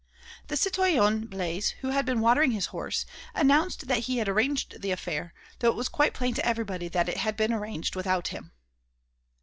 The citoyen Blaise, who had been watering his horse, announced that he had arranged the affair, though it was quite plain to everybody that it had been arranged without him.